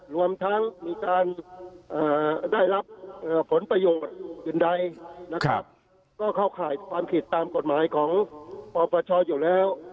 รวมทั้งมีการได้รับผลประโยชน์อื่นใดนะครับก็เข้าข่ายความผิดตามกฎหมายของปปชอยู่แล้ว